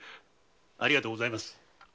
ありがとうございます。